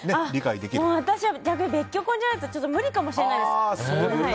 私は逆に別居婚じゃないと無理かもしれないです。